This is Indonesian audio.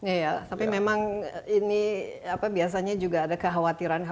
iya tapi memang ini biasanya juga ada kekhawatiran khawatir